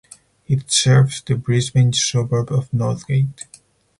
It serves the Brisbane suburb of Northgate.